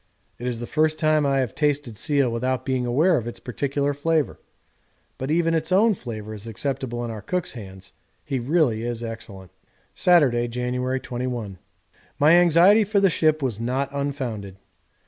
It is the first time I have tasted seal without being aware of its particular flavour. But even its own flavour is acceptable in our cook's hands he really is excellent. Saturday, January 21. My anxiety for the ship was not unfounded.